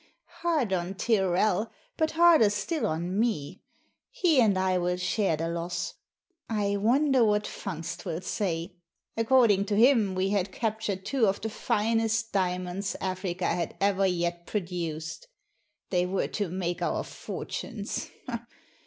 " Hard on Tyrrel, but harder still on me. He and I will share the loss. I wonder what Fungst will say? According to him, we had captured two of the finest diamonds Africa had ever yet produced. They were to make our. fortunes.